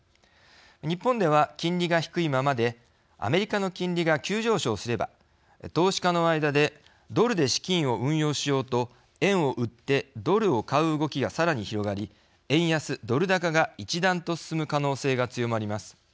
日本では、金利が低いままでアメリカの金利が急上昇すれば投資家の間でドルで資金を運用しようと円を売ってドルを買う動きがさらに広がり、円安ドル高が一段と進む可能性が強まります。